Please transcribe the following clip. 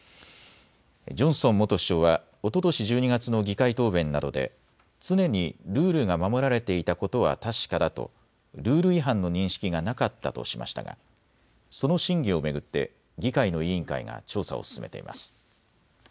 ジョンソン元首相はおととし１２月の議会答弁などで常にルールが守られていたことは確かだとルール違反の認識がなかったとしましたがその真偽を巡って議会の委員会が調査を進めています。